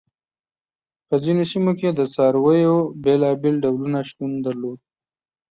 په ځینو سیمو کې د څارویو بېلابېل ډولونه شتون درلود.